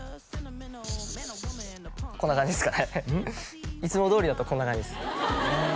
こんな感じですかねいつもどおりだとこんな感じです